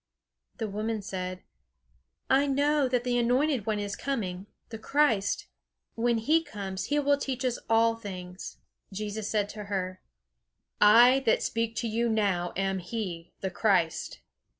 The woman said: "I know that the Anointed one is coming, the Christ. When he comes, he will teach us all things." Jesus said to her: "I that speak to you now am he, the Christ!"